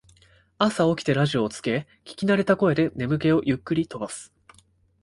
朝起きてラジオをつけ聞きなれた声で眠気をゆっくり飛ばす